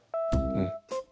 うん。